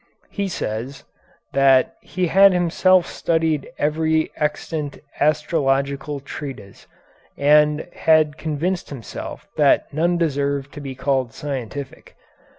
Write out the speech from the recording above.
He says, that he had himself studied every extant astrological treatise, and had convinced himself that none deserved to be called scientific.